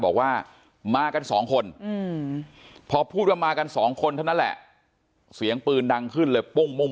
บอกว่ามากันสองคนพอพูดว่ามากันสองคนเท่านั้นแหละเสียงปืนดังขึ้นเลยปุ้ม